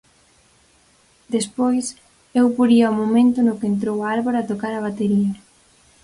Despois, eu poría o momento no que entrou Álvaro a tocar a batería.